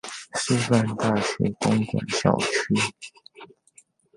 師範大學公館校區